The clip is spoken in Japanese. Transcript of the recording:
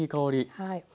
はい。